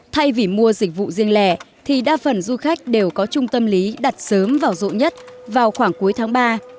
thay vì mua dịch vụ riêng lẻ thì đa phần du khách đều có trung tâm lý đặt sớm và rộ nhất vào khoảng cuối tháng ba